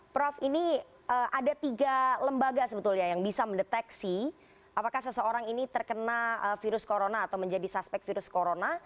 prof ini ada tiga lembaga sebetulnya yang bisa mendeteksi apakah seseorang ini terkena virus corona atau menjadi suspek virus corona